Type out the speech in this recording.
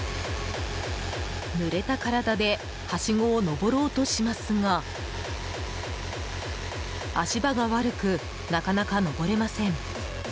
ぬれた体ではしごを上ろうとしますが足場が悪く、なかなか上れません。